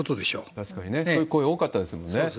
確かにね、そういう声が多かったですもんね。